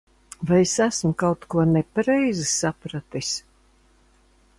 Vai es esmu kaut ko nepareizi sapratis?